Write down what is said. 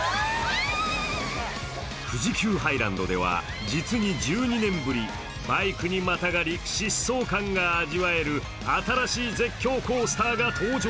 富士急ハイランドでは、実に１２年ぶり、バイクにまたがり、疾走感が味わえる新しい絶叫コースターが登場。